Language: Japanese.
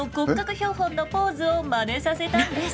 標本のポーズをまねさせたんです。